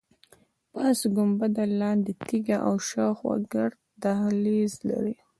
پاس ګنبده، لاندې تیږه او شاخوا ګرد دهلیز لري.